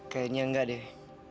kayaknya enggak deh